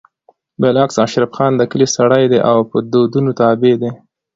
بالعكس اشرف خان د کلي سړی دی او په دودونو تابع دی